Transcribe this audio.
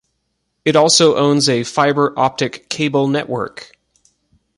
It also owns a fibre optic cable network.